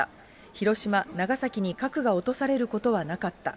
広島、長崎に核が落とされることはなかった。